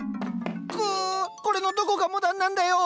くぅこれのどこがモダンなんだよ！